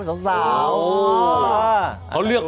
แก้แจ้ง